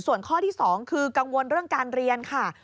ส่วนข้อที่๒คือกังวลเรื่องการเรียนค่ะ